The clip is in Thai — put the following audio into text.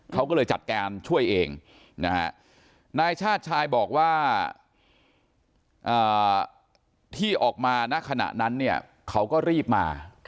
เขาก็เลยจัดการช่วยเองนะฮะนายชาติชายบอกว่าที่ออกมาณขณะนั้นเนี่ยเขาก็รีบมา